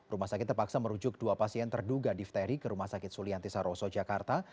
rumah sakit terpaksa merujuk dua pasien terduga difteri ke rumah sakit sulianti saroso jakarta